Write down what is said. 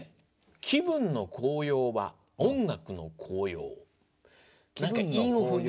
「気分の高揚は音楽の効用？」